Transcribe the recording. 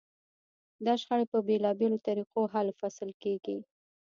دا شخړې په بېلابېلو طریقو حل و فصل کېږي.